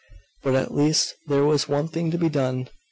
But at least there was one thing to be done.